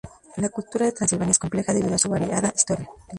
La cultura de Transilvania es compleja, debido a su variada historia.